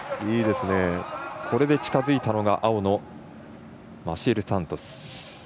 これで近づいたのが青のマシエル・サントス。